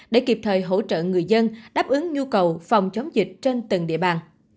để kịp thời hỗ trợ người dân đáp ứng nhu cầu phòng chống dịch trên từng địa bàn